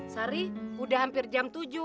sari udah hampir jam tujuh